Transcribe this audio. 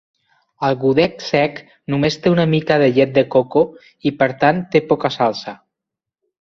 El gudeg sec només té una mica de llet de coco i, per tant, té poca salsa.